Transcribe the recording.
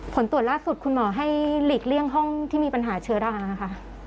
ผลตรวจล่าสุดคุณหมอให้หลีกเลี่ยงห้องที่มีปัญหาเชื้อราค่ะ